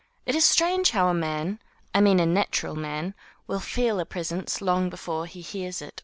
It is strange how a man — I mean the natural man — will feel a presence long before he hears it or sees it.